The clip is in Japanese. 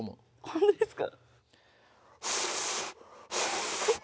本当ですか？